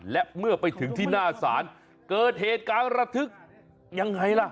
และเมื่อไปถึงที่หน้าศาลเกิดเหตุการณ์ระทึกยังไงล่ะ